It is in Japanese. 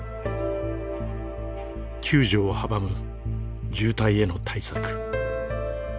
救助を阻む渋滞への対策。